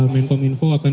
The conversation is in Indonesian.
menkom info akan